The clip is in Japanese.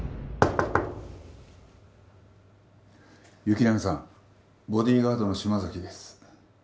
行永さんボディーガードの島崎です。